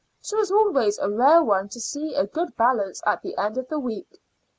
She was always a rare one to see a good balance at the end of the week.